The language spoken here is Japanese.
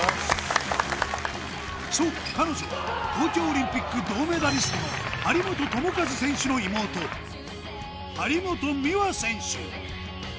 そう彼女は東京オリンピック銅メダリストの張本智和選手の妹張本美和選手